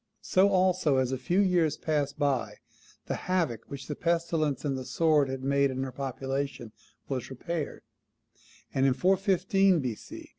So also, as a few years passed by, the havoc which the pestilence and the sword had made in her population was repaired; and in 415 B.C.